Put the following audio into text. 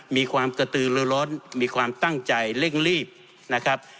มีความกระตือลือร้อนมีความตั้งใจเร่งรีบนะครับ